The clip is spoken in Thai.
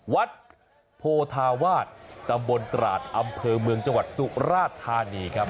วัดโพธาวาสตำบลตราดอำเภอเมืองจังหวัดสุราธานีครับ